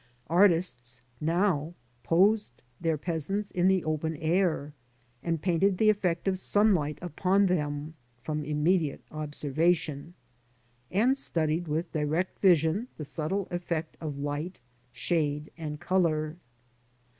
Artists now posed their peasants in the open air, and painted the effect of sunlight upon them, from immediate observation, and studied with direct vision the subtle effect of light, shade, and colour.